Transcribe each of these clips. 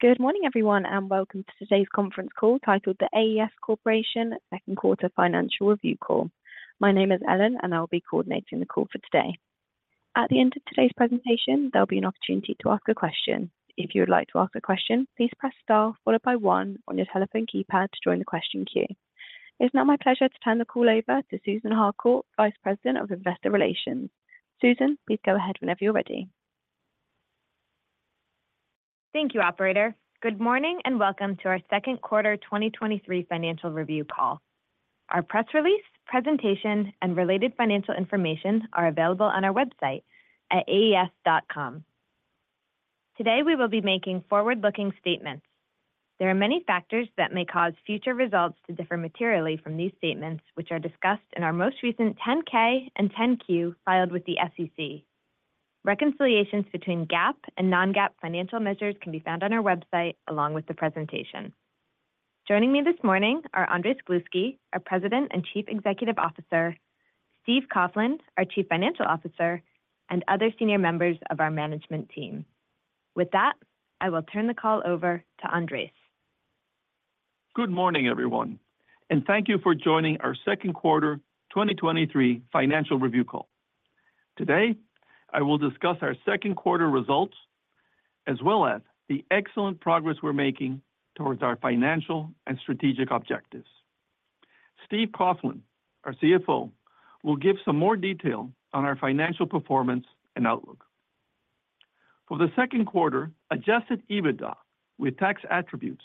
Good morning, everyone, and welcome to today's conference call, titled The AES Corporation Second Quarter Financial Review Call. My name is Ellen, and I'll be coordinating the call for today. At the end of today's presentation, there'll be an opportunity to ask a question. If you would like to ask a question, please press star followed by one on your telephone keypad to join the question queue. It's now my pleasure to turn the call over to Susan Harcourt, Vice President of Investor Relations. Susan, please go ahead whenever you're ready. Thank you, operator. Good morning, welcome to our Second Quarter 2023 Financial Review Call. Our press release, presentation, and related financial information are available on our website at aes.com. Today, we will be making forward-looking statements. There are many factors that may cause future results to differ materially from these statements, which are discussed in our most recent 10-K and 10-Q filed with the SEC. Reconciliations between GAAP and non-GAAP financial measures can be found on our website along with the presentation. Joining me this morning are Andrés Gluski, our President and Chief Executive Officer, Steve Coughlin, our Chief Financial Officer, and other senior members of our management team. With that, I will turn the call over to Andrés. Good morning, everyone, thank you for joining our Second Quarter 2023 Financial Review Call. Today, I will discuss our second quarter results, as well as the excellent progress we're making towards our financial and strategic objectives. Steve Coughlin, our CFO, will give some more detail on our financial performance and outlook. For the second quarter, Adjusted EBITDA with Tax Attributes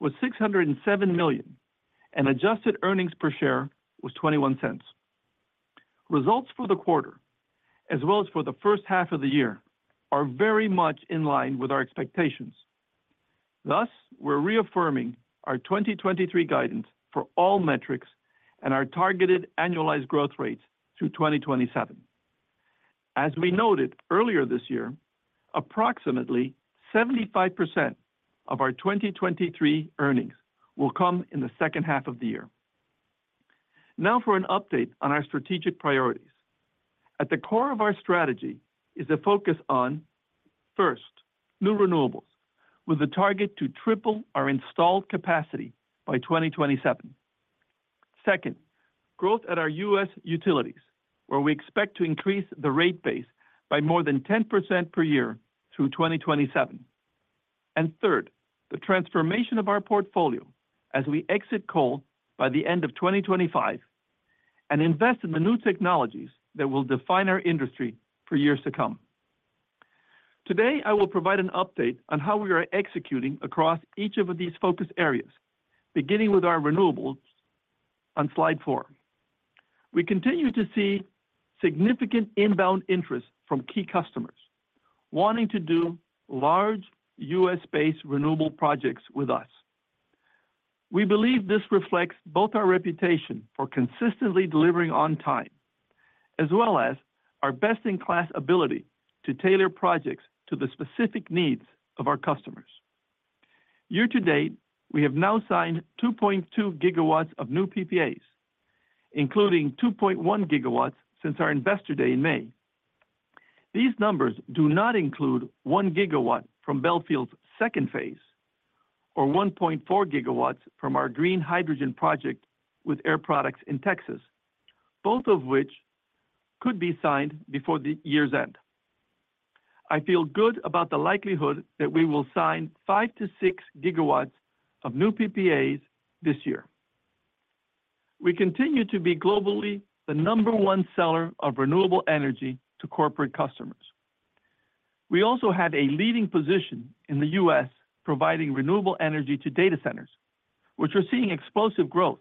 was $607 million, and Adjusted earnings per share was $0.21. Results for the quarter, as well as for the first half of the year, are very much in line with our expectations. We're reaffirming our 2023 guidance for all metrics and our targeted annualized growth rates through 2027. As we noted earlier this year, approximately 75% of our 2023 earnings will come in the second half of the year. For an update on our strategic priorities. At the core of our strategy is a focus on, first, new renewables, with a target to triple our installed capacity by 2027. Second, growth at our U.S. utilities, where we expect to increase the rate base by more than 10% per year through 2027. Third, the transformation of our portfolio as we exit coal by the end of 2025 and invest in the new technologies that will define our industry for years to come. Today, I will provide an update on how we are executing across each of these focus areas, beginning with our renewables on slide four. We continue to see significant inbound interest from key customers wanting to do large U.S.-based renewable projects with us. We believe this reflects both our reputation for consistently delivering on time, as well as our best-in-class ability to tailor projects to the specific needs of our customers. Yea- to-date, we have now signed 2.2 gigawatts of new PPAs, including 2.1 gigawatts since our investor day in May. These numbers do not include 1 gigawatt from Bellefield's second phase or 1.4 gigawatts from our Green Hydrogen project with Air Products in Texas, both of which could be signed before the year's end. I feel good about the likelihood that we will sign 5-6 gigawatts of new PPAs this year. We continue to be globally the number one seller of renewable energy to corporate customers. We also have a leading position in the U.S., providing renewable energy to data centers, which are seeing explosive growth,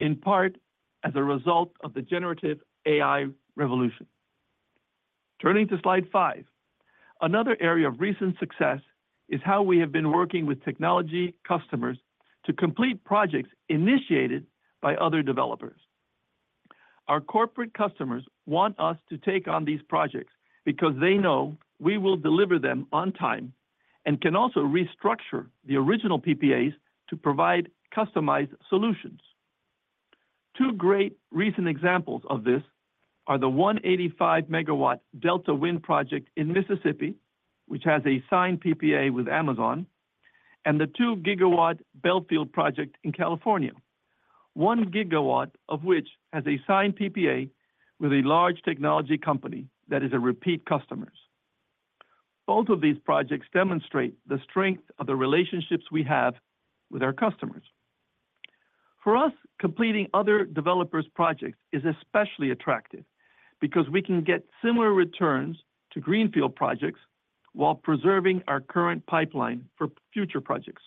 in part as a result of the generative AI revolution. Turning to slide five, another area of recent success is how we have been working with technology customers to complete projects initiated by other developers. Our corporate customers want us to take on these projects because they know we will deliver them on time and can also restructure the original PPAs to provide customized solutions. Two great recent examples of this are the 185 megawatt Delta Wind Project in Mississippi, which has a signed PPA with Amazon, and the 2 gigawatt Bellefield project in California, 1 gigawatt of which has a signed PPA with a large technology company that is a repeat customers. Both of these projects demonstrate the strength of the relationships we have with our customers. For us, completing other developers' projects is especially attractive because we can get similar returns to greenfield projects while preserving our current pipeline for future projects.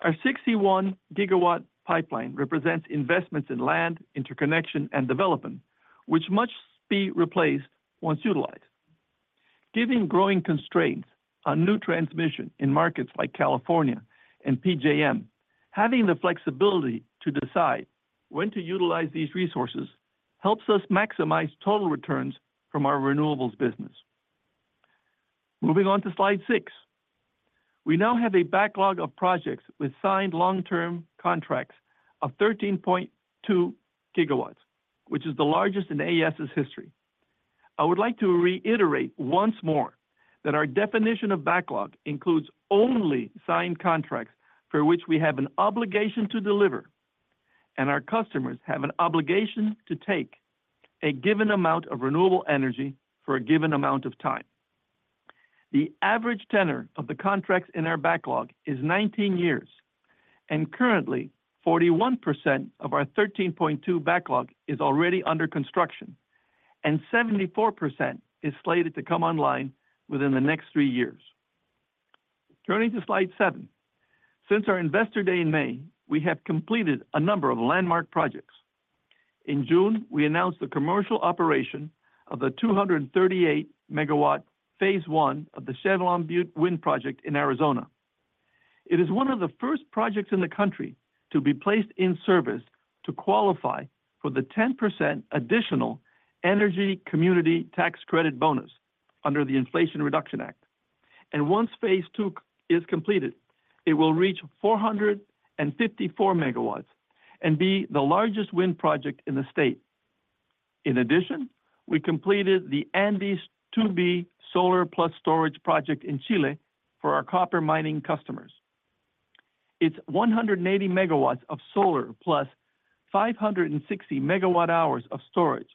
Our 61 gigawatt pipeline represents investments in land, interconnection, and development, which must be replaced once utilized. Given growing constraints on new transmission in markets like California and PJM, having the flexibility to decide when to utilize these resources helps us maximize total returns from our renewables business. Moving on to slide six. We now have a backlog of projects with signed long-term contracts of 13.2 gigawatts, which is the largest in AES's history. I would like to reiterate once more that our definition of backlog includes only signed contracts for which we have an obligation to deliver, and our customers have an obligation to take a given amount of renewable energy for a given amount of time. The average tenor of the contracts in our backlog is 19 years, currently, 41% of our 13.2 gigawatts backlog is already under construction, and 74% is slated to come online within the next three years. Turning to slide seven. Since our investor day in May, we have completed a number of landmark projects. In June, we announced the commercial operation of the 238 MW phase I of the Chevelon Butte Wind Project in Arizona. It is one of the first projects in the country to be placed in service to qualify for the 10% additional energy community tax credit bonus under the Inflation Reduction Act. Once phase II is completed, it will reach 454 MW and be the largest wind project in the state. We completed the Andes Solar II-B Solar Plus Storage Project in Chile for our copper mining customers. Its 180 MW of solar, plus 560 MWh of storage,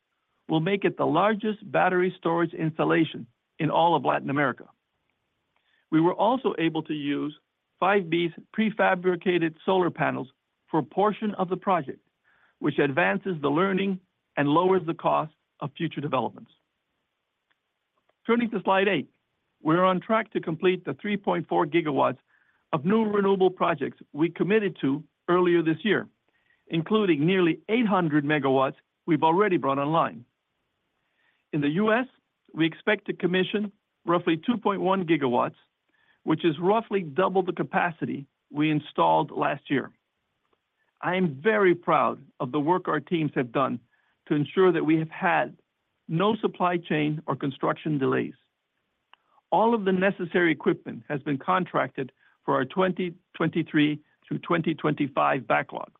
will make it the largest battery storage installation in all of Latin America. We were also able to use 5B's prefabricated solar panels for a portion of the project, which advances the learning and lowers the cost of future developments. Turning to slide eight. We're on track to complete the 3.4 gigawatts of new renewable projects we committed to earlier this year, including nearly 800 MW we've already brought online. In the U.S., we expect to commission roughly 2.1 gigawatts, which is roughly double the capacity we installed last year. I am very proud of the work our teams have done to ensure that we have had no supply chain or construction delays. All of the necessary equipment has been contracted for our 2023 through 2025 backlog.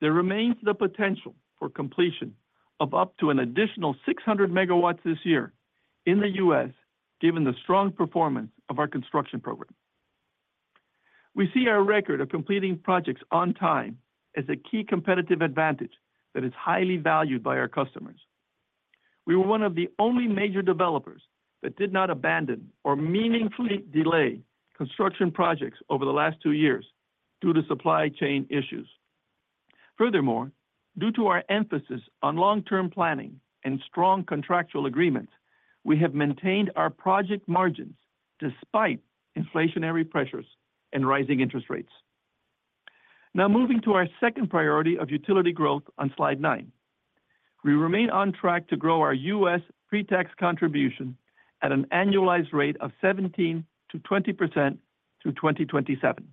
There remains the potential for completion of up to an additional 600 megawatts this year in the U.S., given the strong performance of our construction program. We see our record of completing projects on time as a key competitive advantage that is highly valued by our customers. We were one of the only major developers that did not abandon or meaningfully delay construction projects over the last two years due to supply chain issues. Furthermore, due to our emphasis on long-term planning and strong contractual agreements, we have maintained our project margins despite inflationary pressures and rising interest rates. Moving to our second priority of utility growth on slide nine. We remain on track to grow our U.S. pre-tax contribution at an annualized rate of 17%-20% through 2027.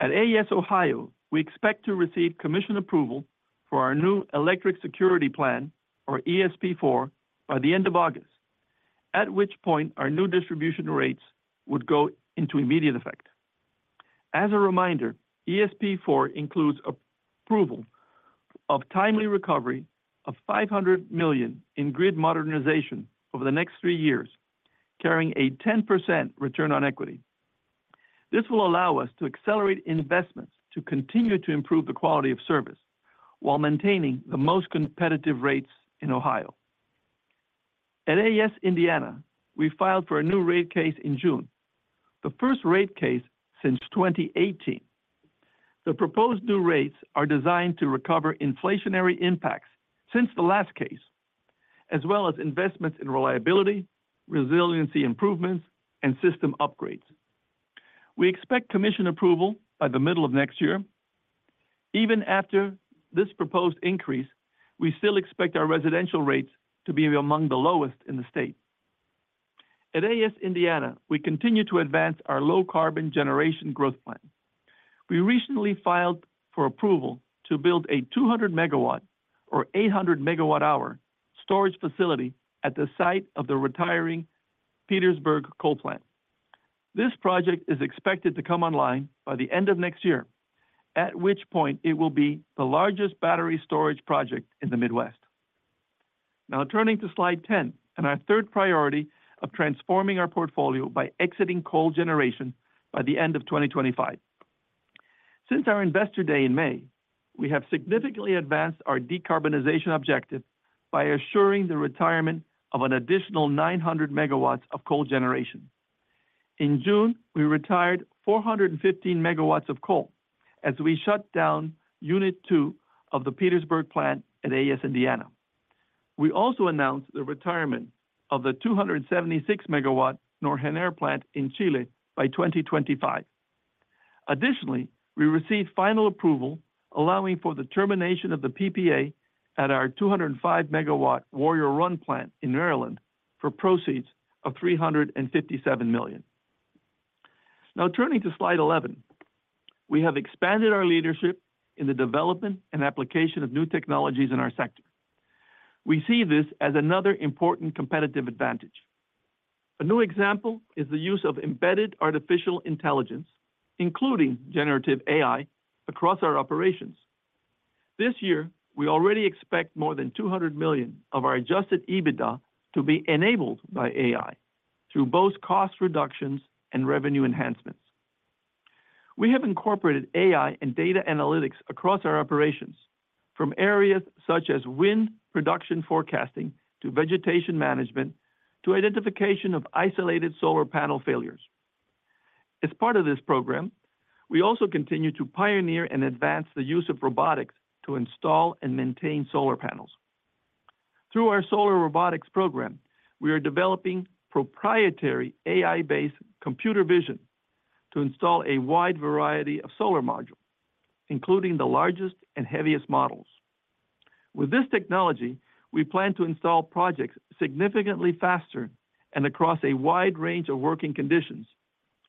At AES Ohio, we expect to receive commission approval for our new electric security plan, or ESP 4, by the end of August, at which point our new distribution rates would go into immediate effect. As a reminder, ESP 4 includes approval of timely recovery of $500 million in grid modernization over the next three years, carrying a 10% return on equity. This will allow us to accelerate investments to continue to improve the quality of service while maintaining the most competitive rates in Ohio. At AES Indiana, we filed for a new rate case in June, the first rate case since 2018. The proposed new rates are designed to recover inflationary impacts since the last case, as well as investments in reliability, resiliency improvements, and system upgrades. We expect commission approval by the middle of next year. Even after this proposed increase, we still expect our residential rates to be among the lowest in the state. At AES Indiana, we continue to advance our low-carbon generation growth plan. We recently filed for approval to build a 200 MW or 800 megawatt-hour storage facility at the site of the retiring Petersburg Coal Plant. This project is expected to come online by the end of next year, at which point it will be the largest battery storage project in the Midwest. Turning to slide 10, and our third priority of transforming our portfolio by exiting coal generation by the end of 2025. Since our investor day in May, we have significantly advanced our decarbonization objective by assuring the retirement of an additional 900 MW of coal generation. In June, we retired 415 MW of coal as we shut down unit two of the Petersburg plant at AES Indiana. We also announced the retirement of the 276 MW Norrsken plant in Chile by 2025. We received final approval, allowing for the termination of the PPA at our 205 MW Warrior Run plant in Maryland for proceeds of $357 million. Turning to slide 11. We have expanded our leadership in the development and application of new technologies in our sector. We see this as another important competitive advantage. A new example is the use of embedded artificial intelligence, including generative AI, across our operations. This year, we already expect more than $200 million of our Adjusted EBITDA to be enabled by AI through both cost reductions and revenue enhancements. We have incorporated AI and data analytics across our operations, from areas such as wind production forecasting, to vegetation management, to identification of isolated solar panel failures. As part of this program, we also continue to pioneer and advance the use of robotics to install and maintain solar panels. Through our Solar Robotics program, we are developing proprietary AI-based computer vision to install a wide variety of solar modules, including the largest and heaviest models. With this technology, we plan to install projects significantly faster and across a wide range of working conditions,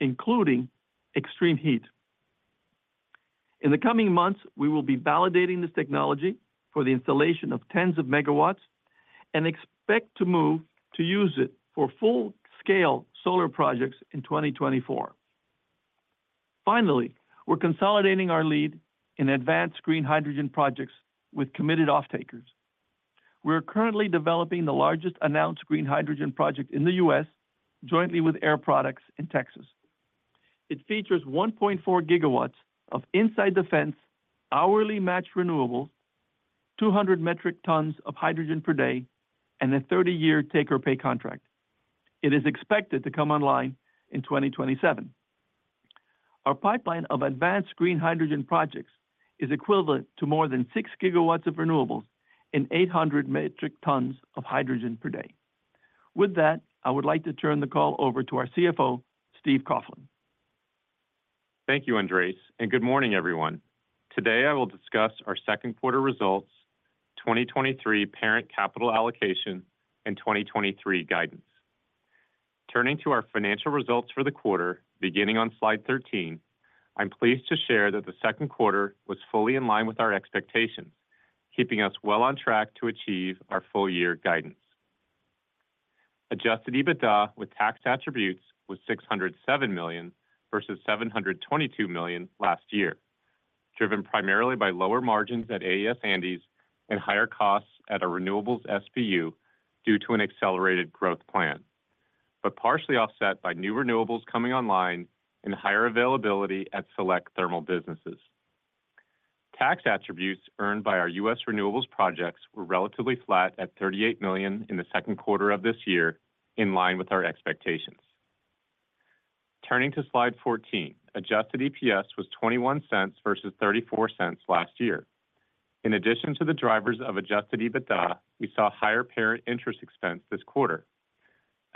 including extreme heat. In the coming months, we will be validating this technology for the installation of tens of megawatts and expect to move to use it for full-scale solar projects in 2024. Finally, we're consolidating our lead in advanced green hydrogen projects with committed off-takers. We are currently developing the largest announced green hydrogen project in the U.S., jointly with Air Products in Texas. It features 1.4 gigawatts of inside-the-fence, hourly matched renewables, 200 metric tons of hydrogen per day, and a 30-year take-or-pay contract. It is expected to come online in 2027. Our pipeline of advanced green hydrogen projects is equivalent to more than 6 gigawatts of renewables and 800 metric tons of hydrogen per day. With that, I would like to turn the call over to our CFO, Steve Coughlin. Thank you, Andrés. Good morning, everyone. Today, I will discuss our second quarter results, 2023 parent capital allocation, and 2023 guidance. Turning to our financial results for the quarter, beginning on slide 13, I'm pleased to share that the second quarter was fully in line with our expectations, keeping us well on track to achieve our full-year guidance. Adjusted EBITDA with Tax Attributes was $607 million versus $722 million last year, driven primarily by lower margins at AES Andes and higher costs at our renewables SBU due to an accelerated growth plan, but partially offset by new renewables coming online and higher availability at select thermal businesses. Tax attributes earned by our U.S. renewables projects were relatively flat at $38 million in the second quarter of this year, in line with our expectations. Turning to slide 14, Adjusted EPS was $0.21 versus $0.34 last year. In addition to the drivers of Adjusted EBITDA, we saw higher parent interest expense this quarter.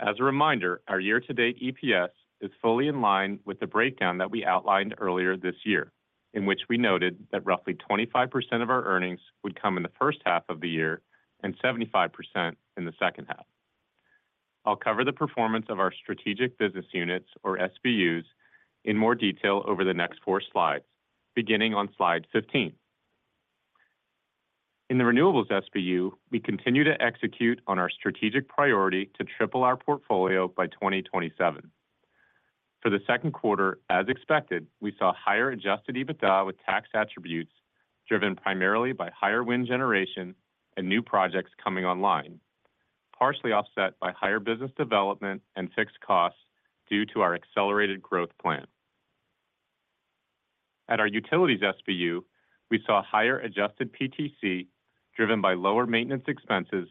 As a reminder, our year-to-date EPS is fully in line with the breakdown that we outlined earlier this year, in which we noted that roughly 25% of our earnings would come in the first half of the year and 75% in the second half. I'll cover the performance of our strategic business units, or SBUs, in more detail over the next four slides, beginning on slide 15. In the renewables SBU, we continue to execute on our strategic priority to triple our portfolio by 2027. For the second quarter, as expected, we saw higher Adjusted EBITDA with Tax Attributes driven primarily by higher wind generation and new projects coming online, partially offset by higher business development and fixed costs due to our accelerated growth plan. At our utilities SBU, we saw higher adjusted PTC driven by lower maintenance expenses,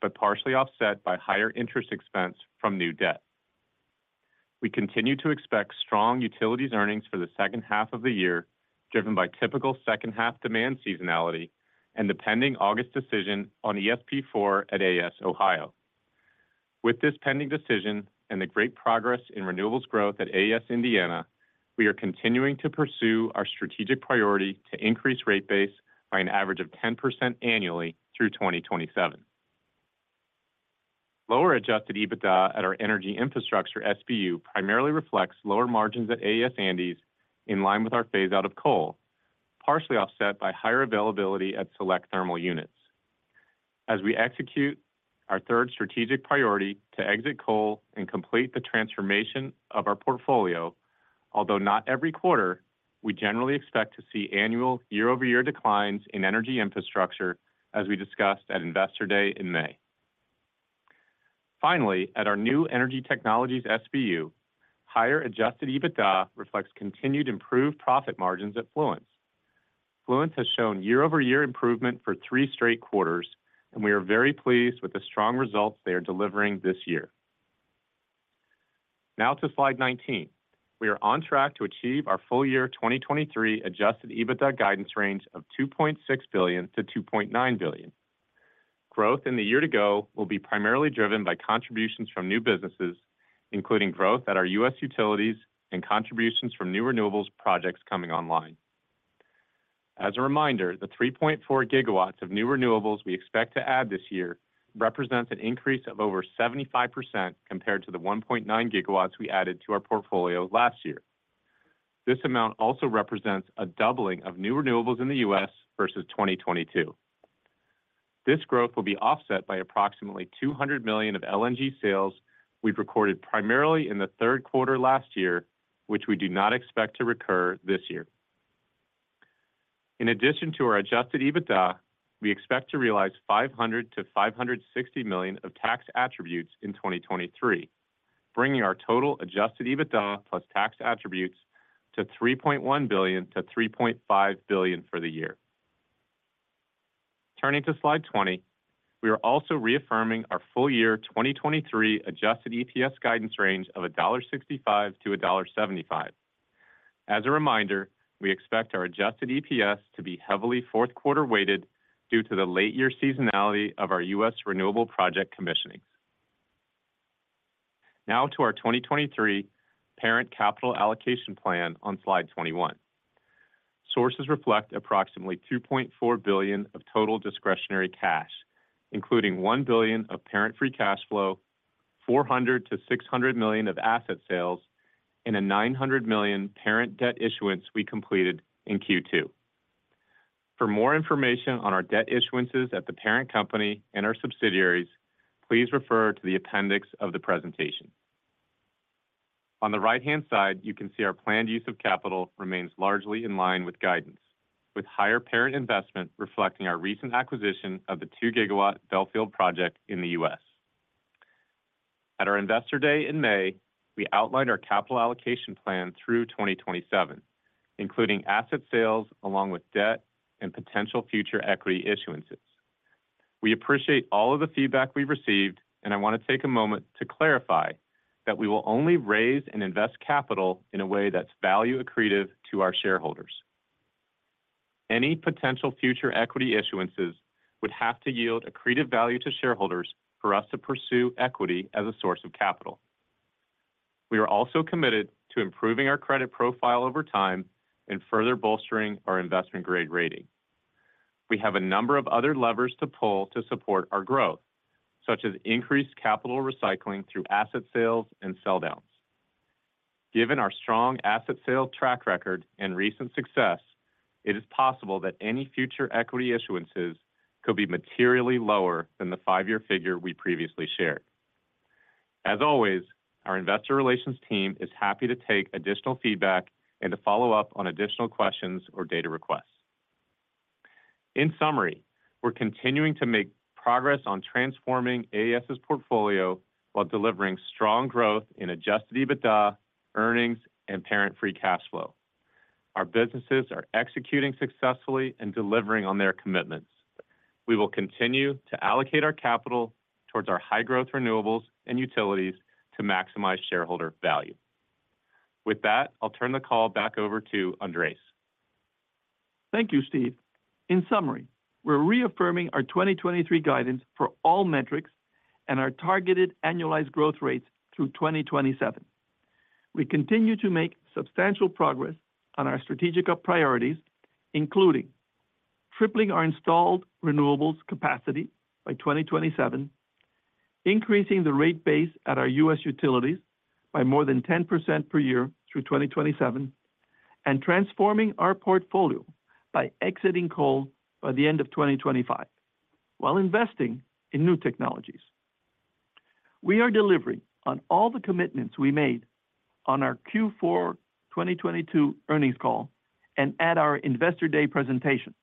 but partially offset by higher interest expense from new debt. We continue to expect strong utilities earnings for the second half of the year, driven by typical second-half demand seasonality and the pending August decision on ESP 4 at AES Ohio. With this pending decision and the great progress in renewables growth at AES Indiana, we are continuing to pursue our strategic priority to increase rate base by an average of 10% annually through 2027. Lower Adjusted EBITDA at our energy infrastructure SBU primarily reflects lower margins at AES Andes, in line with our phaseout of coal, partially offset by higher availability at select thermal units. As we execute our third strategic priority to exit coal and complete the transformation of our portfolio, although not every quarter, we generally expect to see annual year-over-year declines in energy infrastructure, as we discussed at investor day in May. Finally, at our new energy technologies SBU, higher Adjusted EBITDA reflects continued improved profit margins at Fluence. Fluence has shown year-over-year improvement for three straight quarters, and we are very pleased with the strong results they are delivering this year. Now to slide 19. We are on track to achieve our full year 2023 Adjusted EBITDA guidance range of $2.6 billion-$2.9 billion. Growth in the year to go will be primarily driven by contributions from new businesses, including growth at our U.S. utilities and contributions from new renewables projects coming online. As a reminder, the 3.4 gigawatts of new renewables we expect to add this year represents an increase of over 75% compared to the 1.9 gigawatts we added to our portfolio last year. This amount also represents a doubling of new renewables in the U.S. versus 2022. This growth will be offset by approximately $200 million of LNG sales we've recorded primarily in the third quarter last year, which we do not expect to recur this year. In addition to our Adjusted EBITDA, we expect to realize $500 million-$560 million of tax attributes in 2023, bringing our total Adjusted EBITDA plus tax attributes to $3.1 billion-$3.5 billion for the year. Turning to slide 20, we are also reaffirming our full year 2023 Adjusted EPS guidance range of $1.65-$1.75. As a reminder, we expect our Adjusted EPS to be heavily fourth quarter-weighted due to the late-year seasonality of our U.S. renewable project commissioning. To our 2023 parent capital allocation plan on slide 21. Sources reflect approximately $2.4 billion of total discretionary cash, including $1 billion of parent-free cash flow, $400 million-$600 million of asset sales, and a $900 million parent debt issuance we completed in Q2. For more information on our debt issuances at the parent company and our subsidiaries, please refer to the appendix of the presentation. On the right-hand side, you can see our planned use of capital remains largely in line with guidance, with higher parent investment reflecting our recent acquisition of the 2 gigawatt Bellefield project in the U.S. At our Investor Day in May, we outlined our capital allocation plan through 2027, including asset sales along with debt and potential future equity issuances. We appreciate all of the feedback we've received, and I want to take a moment to clarify that we will only raise and invest capital in a way that's value accretive to our shareholders. Any potential future equity issuances would have to yield accretive value to shareholders for us to pursue equity as a source of capital. We are also committed to improving our credit profile over time and further bolstering our investment-grade rating. We have a number of other levers to pull to support our growth, such as increased capital recycling through asset sales and sell downs. Given our strong asset sales track record and recent success, it is possible that any future equity issuances could be materially lower than the five-year figure we previously shared. As always, our investor relations team is happy to take additional feedback and to follow up on additional questions or data requests. In summary, we're continuing to make progress on transforming AES's portfolio while delivering strong growth in Adjusted EBITDA, earnings, and parent-free cash flow. Our businesses are executing successfully and delivering on their commitments. We will continue to allocate our capital towards our high-growth renewables and utilities to maximize shareholder value. With that, I'll turn the call back over to Andrés. Thank you, Steve. In summary, we're reaffirming our 2023 guidance for all metrics and our targeted annualized growth rates through 2027. We continue to make substantial progress on our strategic priorities, including tripling our installed renewables capacity by 2027, increasing the rate base at our U.S. utilities by more than 10% per year through 2027, and transforming our portfolio by exiting coal by the end of 2025, while investing in new technologies. We are delivering on all the commitments we made on our Q4 2022 earnings call and at our investor day presentation.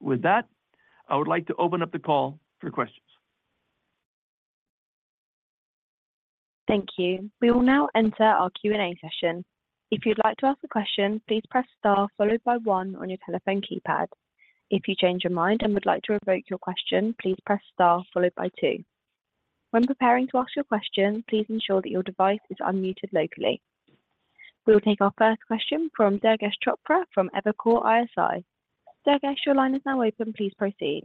With that, I would like to open up the call for questions. Thank you. We will now enter our Q&A session. If you'd like to ask a question, please press *, followed by One on your telephone keypad. If you change your mind and would like to revoke your question, please press * followed by Two. When preparing to ask your question, please ensure that your device is unmuted locally. We will take our first question from Durgesh Chopra from Evercore ISI. Durgesh, your line is now open. Please proceed.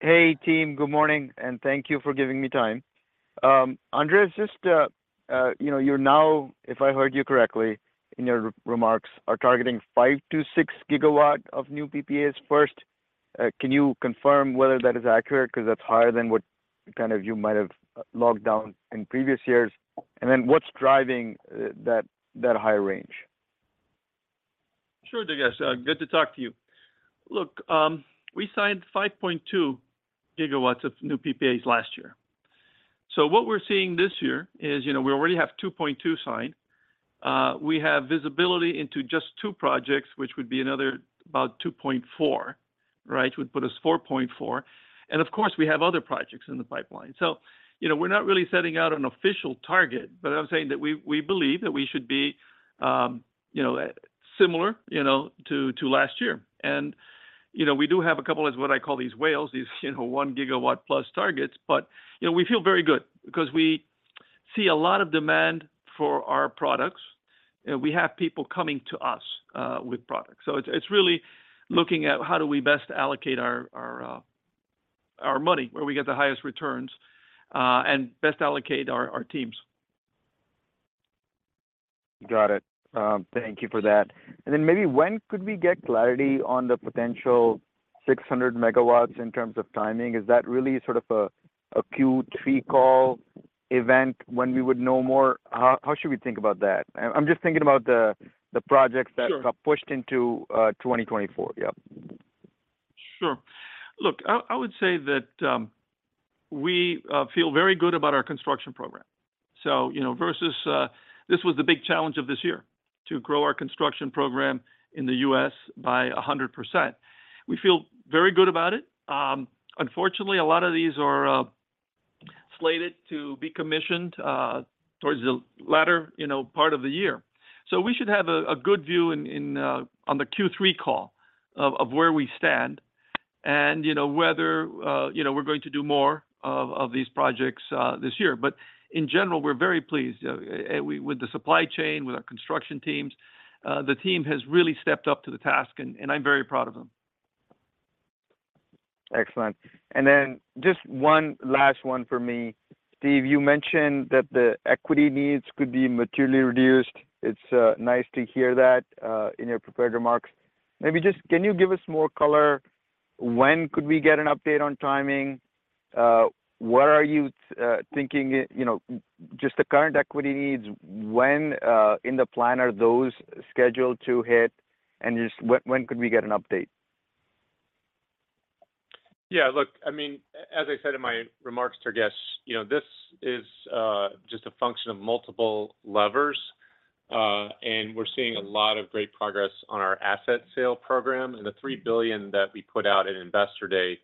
Hey, team. Good morning, and thank you for giving me time. Andrés, just, you know, you're now, if I heard you correctly in your re-remarks, are targeting 5 to 6 gigawatts of new PPAs first. Can you confirm whether that is accurate? Because that's higher than what kind of you might have logged down in previous years. What's driving that, that high range? Sure, Durgesh. Good to talk to you. Look, we signed 5.2 gigawatts of new PPAs last year. What we're seeing this year is, you know, we already have 2.2 signed. We have visibility into just two projects, which would be another about 2.4, right? It would put us 4.4. Of course, we have other projects in the pipeline. You know, we're not really setting out an official target, but I'm saying that we, we believe that we should be, you know, similar, you know, to, to last year. You know, we do have a couple of what I call these whales, these, you know, 1 gigawatt-plus targets. You know, we feel very good because we see a lot of demand for our products, and we have people coming to us with products. It's, it's really looking at how do we best allocate our, our, our money, where we get the highest returns, and best allocate our, our teams. Got it. Thank you for that. Maybe when could we get clarity on the potential 600 megawatts in terms of timing? Is that really sort of a Q3 call event when we would know more? How, how should we think about that? I, I'm just thinking about the, the projects that. Sure. -are pushed into, 2024. Yep. Sure. Look, I, I would say that we feel very good about our construction program. You know, versus, this was the big challenge of this year: to grow our construction program in the U.S. by 100%. We feel very good about it. Unfortunately, a lot of these are slated to be commissioned towards the latter, you know, part of the year. We should have a, a good view in, in on the Q3 call of where we stand and, you know, whether, you know, we're going to do more of these projects this year. In general, we're very pleased, we-- with the supply chain, with our construction teams. The team has really stepped up to the task, and, and I'm very proud of them. Excellent. Just one, last one for me. Steve, you mentioned that the equity needs could be materially reduced. It's nice to hear that in your prepared remarks. Maybe, can you give us more color? When could we get an update on timing? What are you thinking, you know, just the current equity needs, when in the plan are those scheduled to hit? Just when, when could we get an update? Yeah, look, I mean, as I said in my remarks to Durgesh, you know, this is just a function of multiple levers. We're seeing a lot of great progress on our asset sale program, and the $3 billion that we put out at Investor Day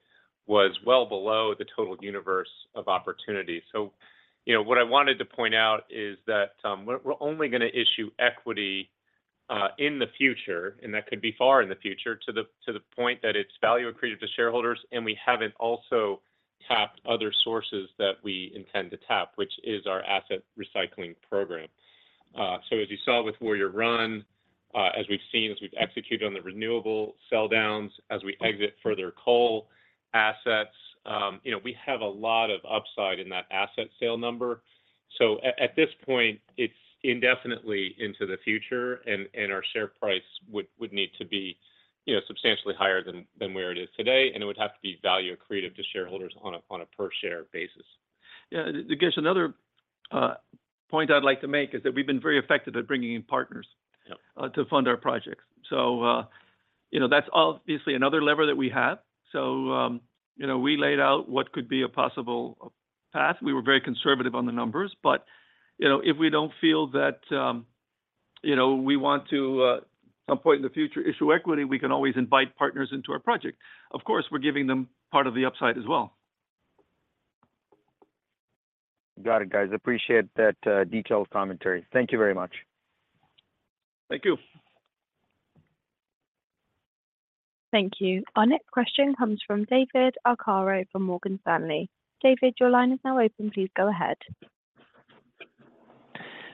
was well below the total universe of opportunities. You know, what I wanted to point out is that we're only gonna issue equity in the future, and that could be far in the future, to the point that it's value accretive to shareholders. We haven't also tapped other sources that we intend to tap, which is our asset recycling program. As you saw with Warrior Run, as we've seen, as we've executed on the renewable sell downs, as we exit further coal assets, you know, we have a lot of upside in that asset sale number. At this point, it's indefinitely into the future, and our share price would need to be, you know, substantially higher than where it is today, and it would have to be value accretive to shareholders on a per-share basis. Yeah, D-Durgesh, another point I'd like to make is that we've been very effective at bringing in partners- Yeah to fund our projects. You know, that's obviously another lever that we have. You know, we laid out what could be a possible path. We were very conservative on the numbers, but, you know, if we don't feel that, you know, we want to, at some point in the future, issue equity, we can always invite partners into our project. Of course, we're giving them part of the upside as well. Got it, guys. I appreciate that, detailed commentary. Thank you very much. Thank you. Thank you. Our next question comes from David Arcaro from Morgan Stanley. David, your line is now open. Please go ahead.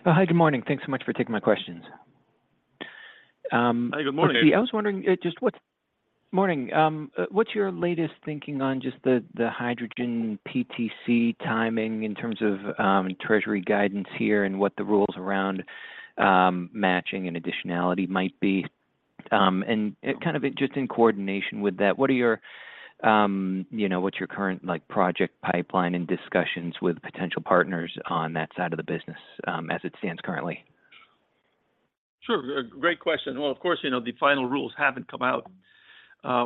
Hi, good morning. Thanks so much for taking my questions. Hi, good morning. I was wondering, Morning, what's your latest thinking on just the, the hydrogen PTC timing in terms of treasury guidance here and what the rules around matching and additionality might be? Kind of, just in coordination with that, what are your, you know, what's your current, like, project pipeline and discussions with potential partners on that side of the business, as it stands currently? Sure, a great question. Well, of course, you know, the final rules haven't come out.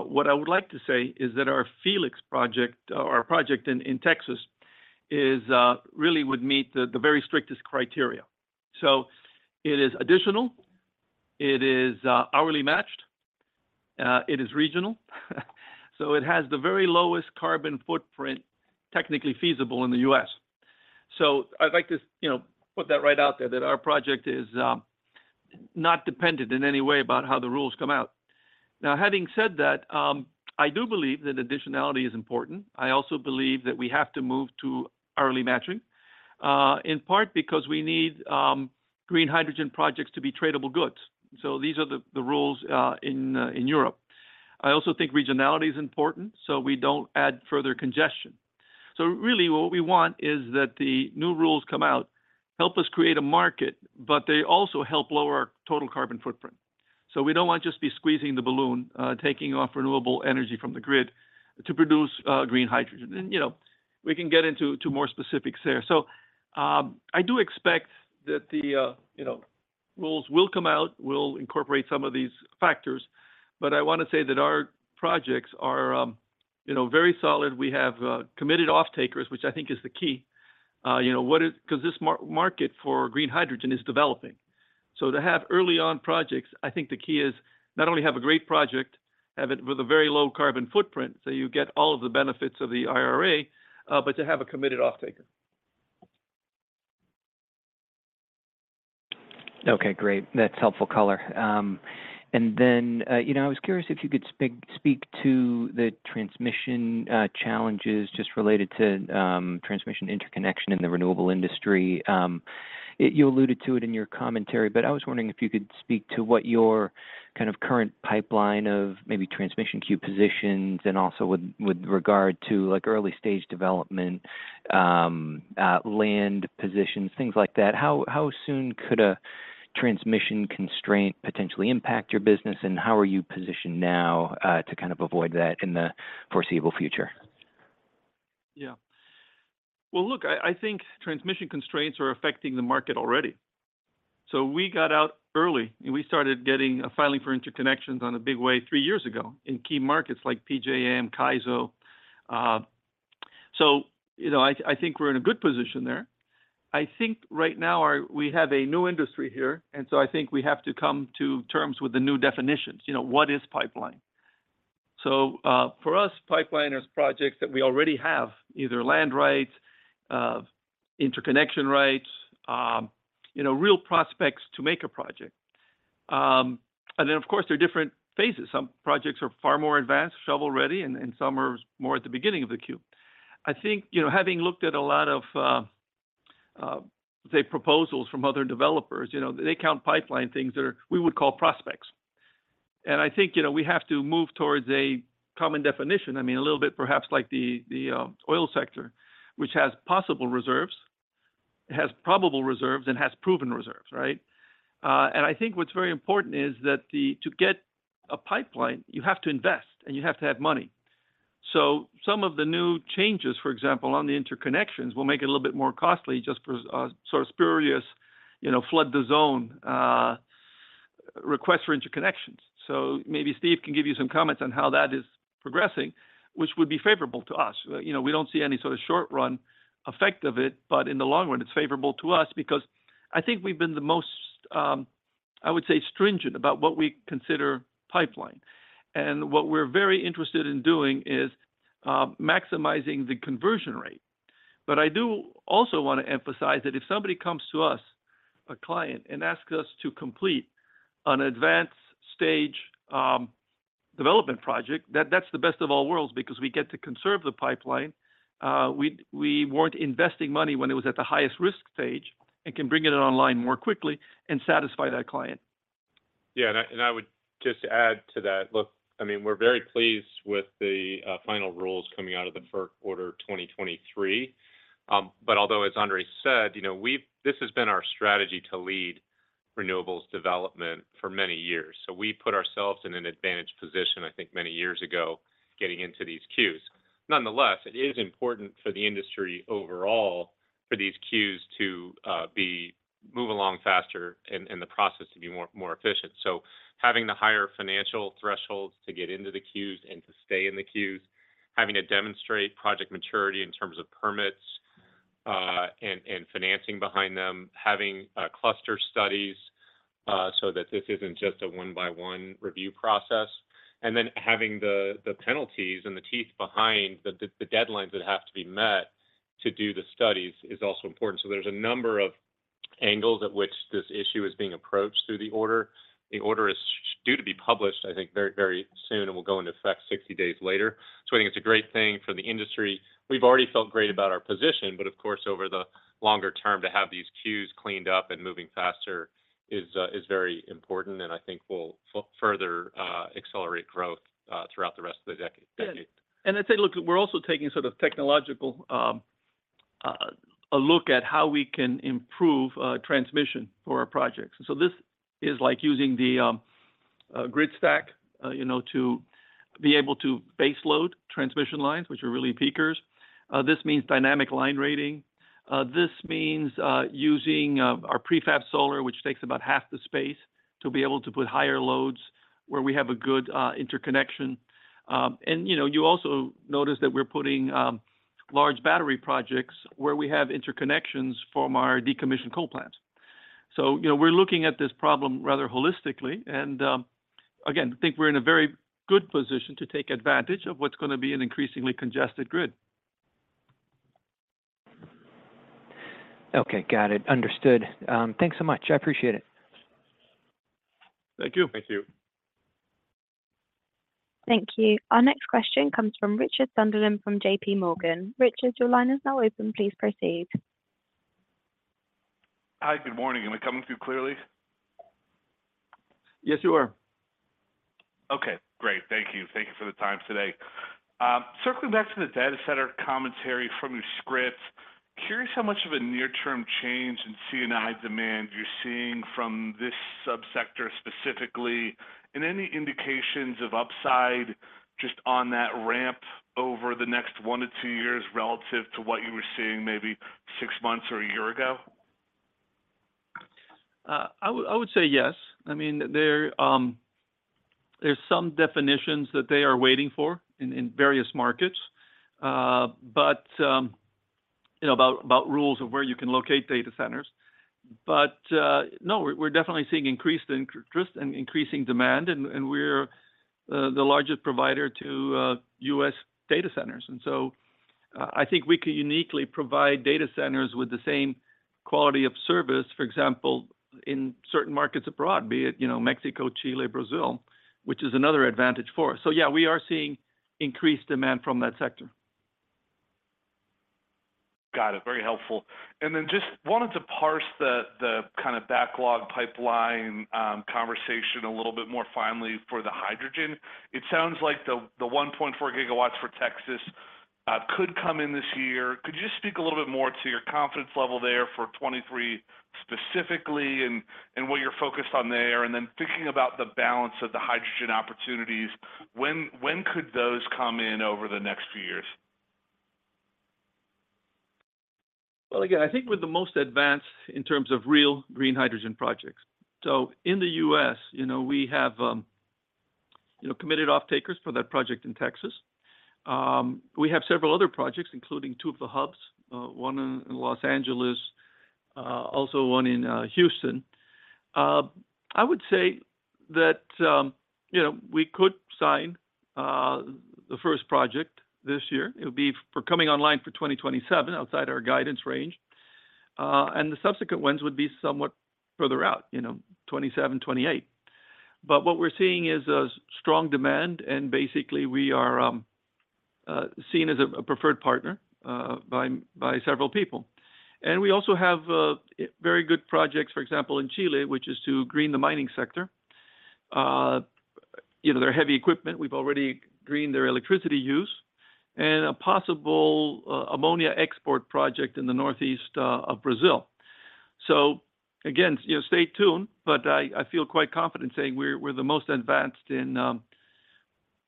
What I would like to say is that our Felix project, our project in Texas, is really would meet the very strictest criteria. It is additional, it is hourly matched, it is regional. It has the very lowest carbon footprint technically feasible in the US. I'd like to, you know, put that right out there, that our project is not dependent in any way about how the rules come out. Now, having said that, I do believe that additionality is important. I also believe that we have to move to hourly matching, in part because we need green hydrogen projects to be tradable goods. These are the rules in Europe. I also think regionality is important, so we don't add further congestion. Really, what we want is that the new rules come out, help us create a market, but they also help lower our total carbon footprint. We don't want to just be squeezing the balloon, taking off renewable energy from the grid to produce green hydrogen. You know, we can get into, to more specifics there. I do expect that the, you know, rules will come out, we'll incorporate some of these factors, but I want to say that our projects are, you know, very solid. We have committed off-takers, which I think is the key. You know, because this market for green hydrogen is developing. To have early-on projects, I think the key is not only have a great project, have it with a very low carbon footprint, so you get all of the benefits of the IRA, but to have a committed off-taker. Okay, great. That's helpful color. You know, I was curious if you could speak to the transmission challenges just related to transmission interconnection in the renewable industry. You alluded to it in your commentary, but I was wondering if you could speak to what your kind of current pipeline of maybe transmission queue positions and also with, with regard to, like, early stage development, land positions, things like that. How, how soon could a transmission constraint potentially impact your business, and how are you positioned now to kind of avoid that in the foreseeable future? Yeah. Well, look, I, I think transmission constraints are affecting the market already. We got out early, and we started getting filing for interconnections on a big way three years ago in key markets like PJM, CAISO. You know, I, I think we're in a good position there. I think right now, we have a new industry here, and so I think we have to come to terms with the new definitions. You know, what is pipeline? For us, pipeline is projects that we already have, either land rights, interconnection rights, you know, real prospects to make a project. Then, of course, there are different phases. Some projects are far more advanced, shovel-ready, and some are more at the beginning of the queue. I think, you know, having looked at a lot of, say, proposals from other developers, you know, they count pipeline things that are, we would call prospects. I think, you know, we have to move towards a common definition. I mean, a little bit perhaps like the, the, oil sector, which has possible reserves, it has probable reserves, and has proven reserves, right? I think what's very important is that the, to get a pipeline, you have to invest, and you have to have money. Some of the new changes, for example, on the interconnections, will make it a little bit more costly, just for, sort of spurious, you know, flood the zone, request for interconnections. Maybe Steve can give you some comments on how that is progressing, which would be favorable to us. You know, we don't see any sort of short run effect of it, but in the long run, it's favorable to us because I think we've been the most, I would say, stringent about what we consider pipeline. What we're very interested in doing is maximizing the conversion rate. I do also want to emphasize that if somebody comes to us, a client, and asks us to complete an advanced-stage development project, that's the best of all worlds because we get to conserve the pipeline. We, we weren't investing money when it was at the highest risk stage and can bring it online more quickly and satisfy that client. And I, and I would just add to that: look, I mean, we're very pleased with the final rules coming out of the FERC Order 2023. Although, as Andrés said, you know, this has been our strategy to lead renewables development for many years. We put ourselves in an advantage position, I think, many years ago, getting into these queues. Nonetheless, it is important for the industry overall, for these queues to move along faster and, and the process to be more, more efficient. Having the higher financial thresholds to get into the queues and to stay in the queues, having to demonstrate project maturity in terms of permits, and financing behind them, having cluster studies, so that this isn't just a 1-by-1 review process, and then having the penalties and the teeth behind the deadlines that have to be met to do the studies is also important. There's a number of angles at which this issue is being approached through the order. The order is due to be published, I think, very, very soon and will go into effect 60 days later. I think it's a great thing for the industry. We've already felt great about our position, but of course, over the longer term, to have these queues cleaned up and moving faster is very important, and I think will further accelerate growth throughout the rest of the decade. I'd say, look, we're also taking sort of technological, a look at how we can improve transmission for our projects. This is like using the, grid stack, you know, to be able to baseload transmission lines, which are really peakers. This means dynamic line rating. This means using our prefab solar, which takes about half the space, to be able to put higher loads where we have a good interconnection. You know, you also notice that we're putting large battery projects where we have interconnections from our decommissioned coal plants. You know, we're looking at this problem rather holistically, and, again, I think we're in a very good position to take advantage of what's gonna be an increasingly congested grid. Okay, got it. Understood. Thanks so much. I appreciate it. Thank you. Thank you. Thank you. Our next question comes from Richard Sunderland, from JP Morgan. Richard, your line is now open. Please proceed. Hi, good morning. Am I coming through clearly? Yes, you are. Okay, great. Thank you. Thank you for the time today. Circling back to the data center commentary from your script, curious how much of a near-term change in C&I demand you're seeing from this subsector specifically, and any indications of upside just on that ramp over the next 1-2 years relative to what you were seeing maybe six months or one year ago? I would, I would say yes. I mean, there, there's some definitions that they are waiting for in, in various markets, but, you know, about, about rules of where you can locate data centers. No, we're, we're definitely seeing increased interest and increasing demand, and, and we're, the largest provider to, U.S. data centers. I think we can uniquely provide data centers with the same quality of service, for example, in certain markets abroad, be it, you know, Mexico, Chile, Brazil, which is another advantage for us. Yeah, we are seeing increased demand from that sector. Got it. Very helpful. And then just wanted to parse the, the kinda backlog pipeline conversation a little bit more finely for the hydrogen. It sounds like the, the 1.4 gigawatts for Texas- could come in this year. Could you just speak a little bit more to your confidence level there for 2023 specifically, and, and what you're focused on there? And then thinking about the balance of the hydrogen opportunities, when, when could those come in over the next few years? Again, I think we're the most advanced in terms of real green hydrogen projects. In the U.S., you know, we have, you know, committed off-takers for that project in Texas. We have several other projects, including two of the hubs, one in Los Angeles, also one in Houston. I would say that, you know, we could sign the first project this year. It would be for coming online for 2027, outside our guidance range, and the subsequent ones would be somewhat further out, you know, 2027, 2028. What we're seeing is a strong demand, and basically, we are seen as a preferred partner by several people. We also have very good projects, for example, in Chile, which is to green the mining sector. You know, their heavy equipment, we've already greened their electricity use, and a possible ammonia export project in the northeast of Brazil. Again, you know, stay tuned, but I, I feel quite confident saying we're, we're the most advanced in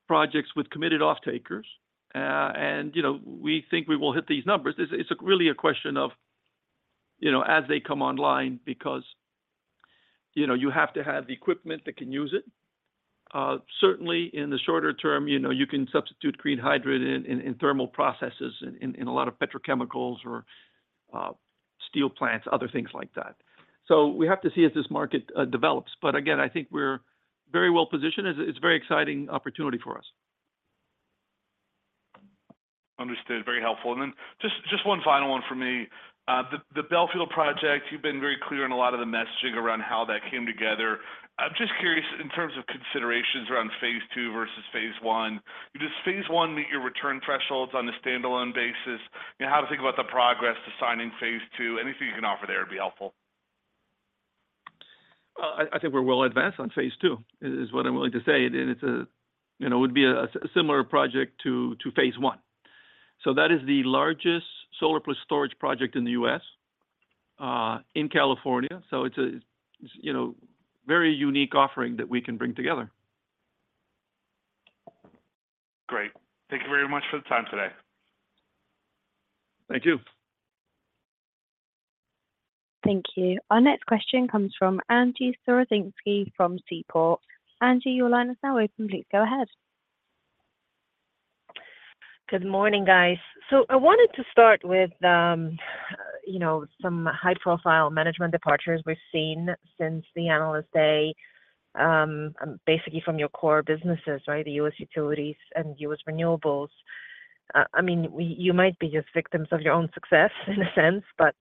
projects with committed off-takers. You know, we think we will hit these numbers. It's, it's really a question of, you know, as they come online because, you know, you have to have the equipment that can use it. Certainly in the shorter term, you know, you can substitute green hydrogen in, in thermal processes in, in a lot of petrochemicals or steel plants, other things like that. We have to see as this market develops. Again, I think we're very well positioned. It's, it's a very exciting opportunity for us. Understood. Very helpful. Then just, just one final one for me. The Bellefield project, you've been very clear on a lot of the messaging around how that came together. I'm just curious, in terms of considerations around phase II versus phase I, does phase I meet your return thresholds on a standalone basis? You know, how to think about the progress to signing phase II? Anything you can offer there would be helpful. Well, I, I think we're well advanced on phase II, is what I'm willing to say. It's you know, it would be a, a similar project to, to phase I. That is the largest solar plus storage project in the US, in California. It's a, you know, very unique offering that we can bring together. Great. Thank you very much for the time today. Thank you. Thank you. Our next question comes from Angie Storozynski from Seaport. Angie, your line is now open. Please go ahead. Good morning, guys. I wanted to start with, you know, some high-profile management departures we've seen since the Analyst Day, basically from your core businesses, right? The U.S. utilities and U.S. renewables. I mean, we-- you might be just victims of your own success in a sense, but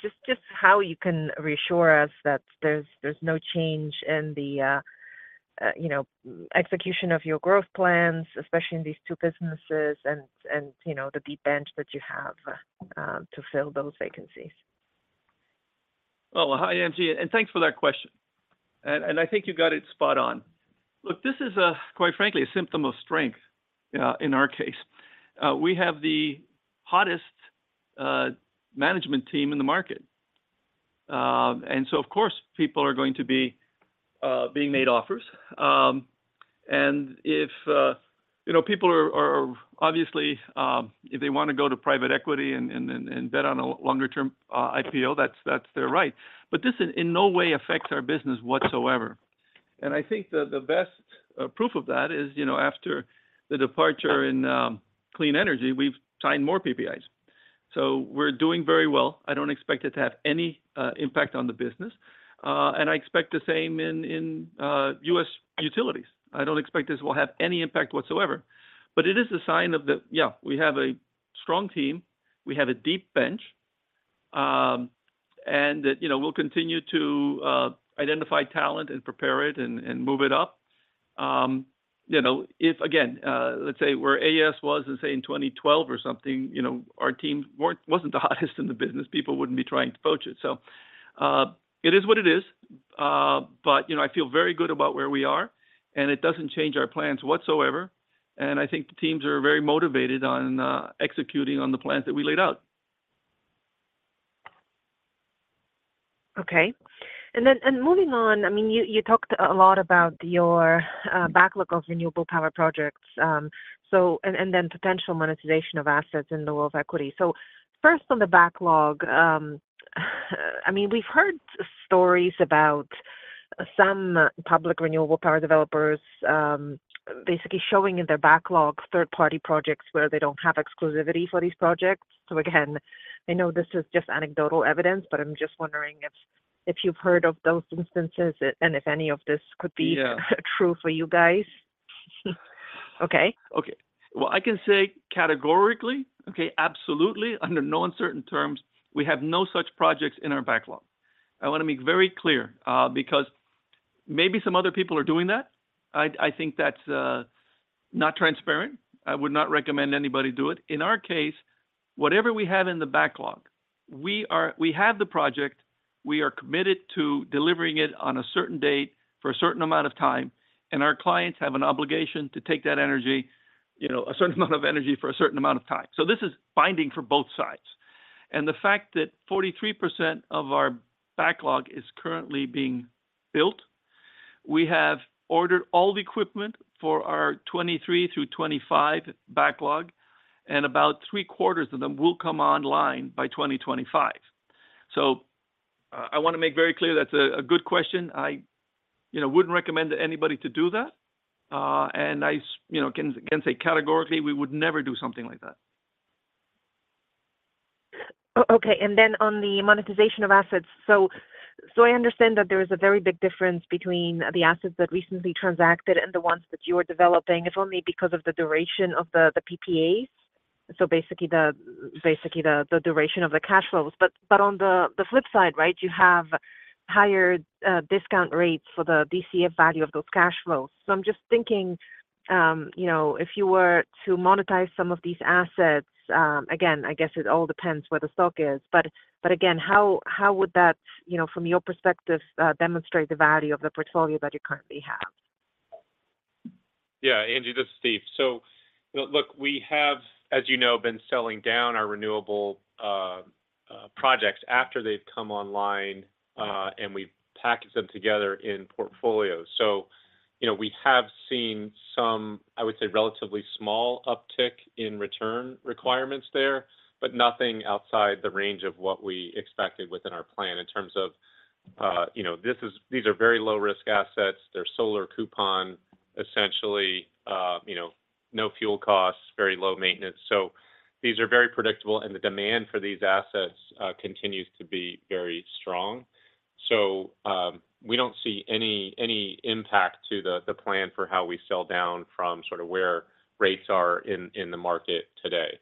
just, just how you can reassure us that there's, there's no change in the, you know, execution of your growth plans, especially in these two businesses, and, and, you know, the deep bench that you have to fill those vacancies? Well, hi, Angie, and thanks for that question. I think you got it spot on. Look, this is, quite frankly, a symptom of strength in our case. We have the hottest management team in the market. So, of course, people are going to be being made offers. And if, you know, people are, are, obviously, if they want to go to private equity and, and, and bet on a longer-term IPO, that's, that's their right. This in no way affects our business whatsoever. I think that the best proof of that is, you know, after the departure in clean energy, we've signed more PPAs. We're doing very well. I don't expect it to have any impact on the business, and I expect the same in U.S. utilities. I don't expect this will have any impact whatsoever. It is a sign, yeah, we have a strong team, we have a deep bench, that, you know, we'll continue to identify talent and prepare it and, and move it up. You know, if, again, let's say where AES was in, say, in 2012 or something, you know, our team wasn't the hottest in the business, people wouldn't be trying to poach it. It is what it is, you know, I feel very good about where we are, it doesn't change our plans whatsoever, I think the teams are very motivated on executing on the plans that we laid out. Okay. Moving on, I mean, you, you talked a lot about your backlog of renewable power projects, so, and, and then potential monetization of assets in the world of equity. First on the backlog, I mean, we've heard stories about some public renewable power developers, basically showing in their backlogs third-party projects where they don't have exclusivity for these projects. Again, I know this is just anecdotal evidence, but I'm just wondering if, if you've heard of those instances and if any of this could be- Yeah true for you guys? Okay. Okay. Well, I can say categorically, okay, absolutely, under no uncertain terms, we have no such projects in our backlog. I want to be very clear, because maybe some other people are doing that. I, I think that's, not transparent. I would not recommend anybody do it. In our case-... Whatever we have in the backlog, we have the project, we are committed to delivering it on a certain date for a certain amount of time, and our clients have an obligation to take that energy, you know, a certain amount of energy for a certain amount of time. So this is binding for both sides. The fact that 43% of our backlog is currently being built, we have ordered all the equipment for our 2023 through 2025 backlog, and about 75% of them will come online by 2025. I want to make very clear that's a good question. I, you know, wouldn't recommend anybody to do that, and I, you know, can say categorically, we would never do something like that. Then on the monetization of assets. I understand that there is a very big difference between the assets that recently transacted and the ones that you are developing, if only because of the duration of the PPAs. Basically the duration of the cash flows. On the flip side, right, you have higher discount rates for the DCF value of those cash flows. I'm just thinking, you know, if you were to monetize some of these assets, again, I guess it all depends where the stock is. Again, how, how would that, you know, from your perspective, demonstrate the value of the portfolio that you currently have? Angie, this is Steve. You know, look, we have, as you know, been selling down our renewable projects after they've come online, and we've packaged them together in portfolios. You know, we have seen some, I would say, relatively small uptick in return requirements there, but nothing outside the range of what we expected within our plan in terms of, you know, these are very low-risk assets. They're solar coupon, essentially, you know, no fuel costs, very low maintenance. These are very predictable, and the demand for these assets continues to be very strong. We don't see any, any impact to the plan for how we sell down from sort of where rates are in the market today.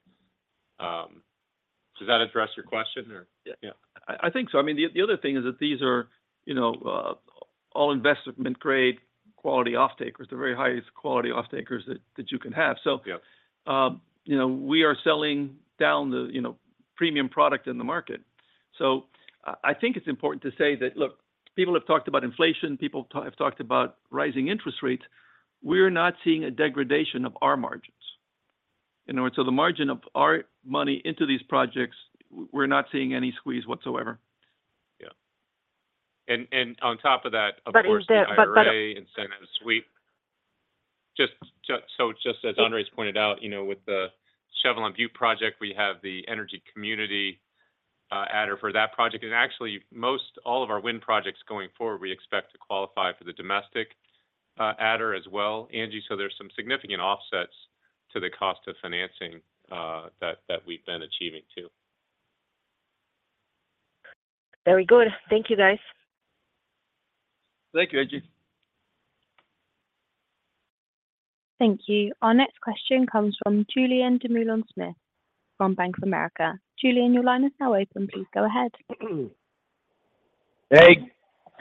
Does that address your question or? Yeah. Yeah. I think so. I mean, the, the other thing is that these are, you know, all investment-grade quality off-takers. They're very highest quality off-takers that, that you can have. Yeah. You know, we are selling down the, you know, premium product in the market. I, I think it's important to say that, look, people have talked about inflation, people have talked about rising interest rates. We're not seeing a degradation of our margins. You know, the margin of our money into these projects, we're not seeing any squeeze whatsoever. Yeah. and on top of that, of course- is there. incentive is sweet. Just as Andrés pointed out, you know, with the Chevelon Butte project, we have the energy community adder for that project. Actually, most all of our wind projects going forward, we expect to qualify for the domestic adder as well, Angie. There's some significant offsets to the cost of financing that, that we've been achieving too. Very good. Thank you, guys. Thank you, Angie. Thank you. Our next question comes from Julien Dumoulin-Smith from Bank of America. Julien, your line is now open. Please go ahead. Hey,